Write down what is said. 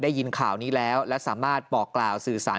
ได้ยินข่าวนี้แล้วและสามารถบอกกล่าวสื่อสาร